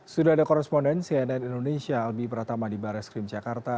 sudah ada korespondensi dari indonesia albi pratama di bar reskrim jakarta